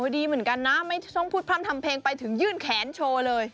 ดีเหมือนกันนะไม่ต้องพูดพร่ำทำเพลงไปถึงยื่นแขนโชว์เลย